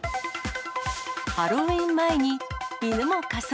ハロウィーン前に犬も仮装。